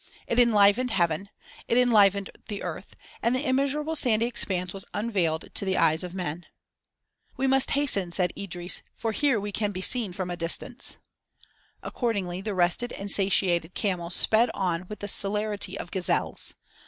It enlivened heaven, it enlivened the earth, and the immeasurable sandy expanse was unveiled to the eyes of men. "We must hasten," said Idris, "for here we can be seen from a distance." Accordingly the rested and satiated camels sped on with the celerity of gazelles.